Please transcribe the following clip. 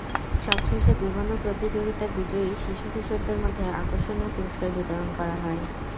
সবশেষে বিভিন্ন প্রতিযোগিতার বিজয়ী শিশু কিশোরদের মধ্যে আকর্ষণীয় পুরস্কার বিতরণ করা হয়।